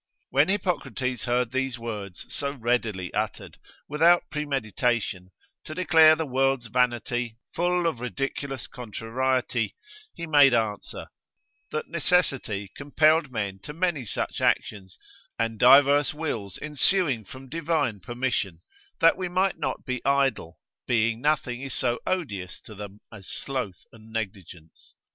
When Hippocrates heard these words so readily uttered, without premeditation, to declare the world's vanity, full of ridiculous contrariety, he made answer, that necessity compelled men to many such actions, and divers wills ensuing from divine permission, that we might not be idle, being nothing is so odious to them as sloth and negligence.